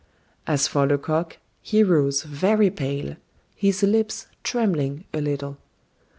As for Lecoq, he rose very pale, his lips trembling a little.